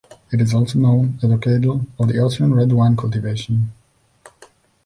It is also known as the cradle of the Austrian red wine cultivation.